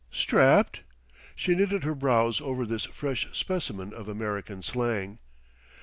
"Strapped?" She knitted her brows over this fresh specimen of American slang.